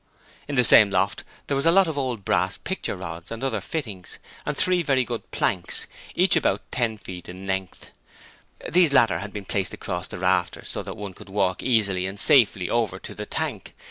In the same loft there were a lot of old brass picture rods and other fittings, and three very good planks, each about ten feet in length; these latter had been placed across the rafters so that one could walk easily and safely over to the tank.